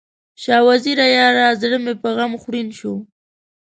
شاه وزیره یاره، زړه مې په غم خوړین شو